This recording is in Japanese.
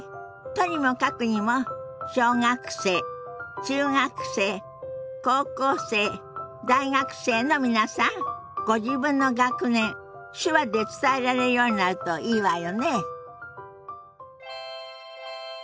とにもかくにも小学生中学生高校生大学生の皆さんご自分の学年手話で伝えられるようになるといいわよね。